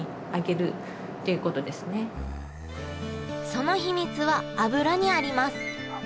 その秘密は油にあります。